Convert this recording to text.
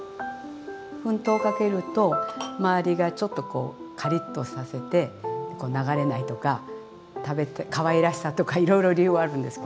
粉糖かけるとまわりがちょっとこうカリッとさせてこう流れないとか食べてかわいらしさとかいろいろ理由はあるんですけど。